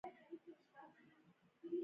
برخه ده.